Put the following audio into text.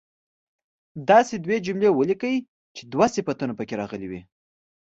داسې دوې جملې ولیکئ چې دوه صفتونه په کې راغلي وي.